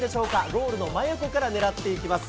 ゴールの真横から狙っていきます。